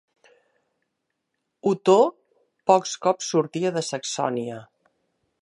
Otó pocs cops sortia de Saxònia.